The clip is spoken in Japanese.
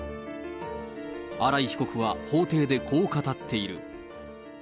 新井被告は法定でこう語っている。